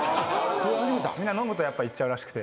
みんな飲むと言っちゃうらしくて。